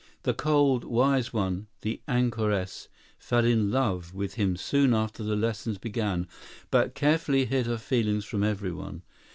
The "cold, wise one," the "anchoress," fell in love with him soon after the lessons began, but carefully hid her feelings from every one.